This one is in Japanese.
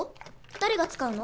誰が使うの？